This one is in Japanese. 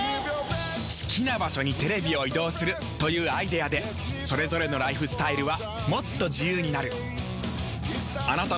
好きな場所にテレビを移動するというアイデアでそれぞれのライフスタイルはもっと自由になる。